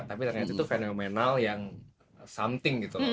tapi ternyata itu fenomenal yang something gitu